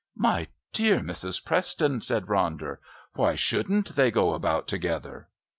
"My dear Mrs. Preston," said Ronder, "why shouldn't they go about together?"